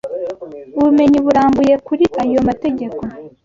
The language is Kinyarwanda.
ubumenyi burambuye kuri ayo mategeko!